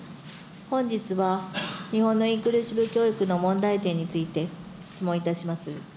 本日は日本のインクルーシブ問題点について、質問します。